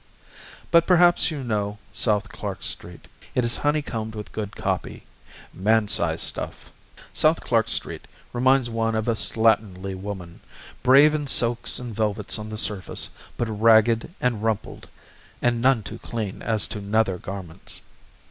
But perhaps you know South Clark Street. It is honeycombed with good copy man size stuff. South Clark Street reminds one of a slatternly woman, brave in silks and velvets on the surface, but ragged, and rumpled and none too clean as to nether garments.